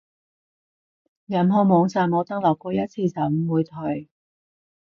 任何網站我登錄過一次就唔會退